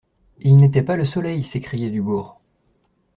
Il n'était pas le soleil, s'écriait Dubourg.